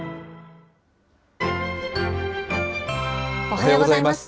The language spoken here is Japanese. おはようございます。